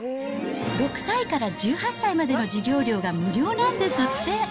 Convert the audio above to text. ６歳から１８歳までの授業料が無料なんですって。